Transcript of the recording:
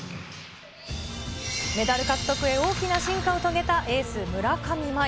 メダル獲得へ大きな進化を遂げたエース、村上茉愛。